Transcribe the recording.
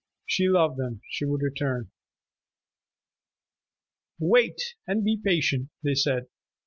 She loved them. She would return. "Wait and be patient," they said.